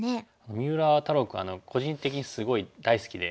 三浦太郎君は個人的にすごい大好きで。